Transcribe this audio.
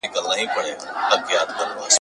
د کتاب او قلم قدر وپېژنئ!